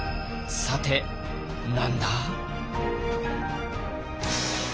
さて何だ？